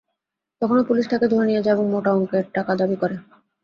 তখনো পুলিশ তাঁকে ধরে নিয়ে যায় এবং মোটা অঙ্কের টাকা দাবি করে।